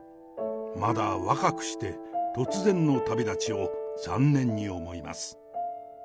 まだ若くして突然の旅立ちを残念に思います。